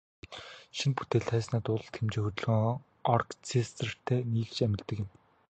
Шинэ бүтээл тайзнаа дуулалт, хэмжээ, хөдөлгөөн, оркестертэй нийлж амилдаг юм.